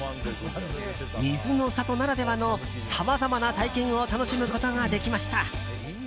水の郷ならではのさまざまな体験を楽しむことができました。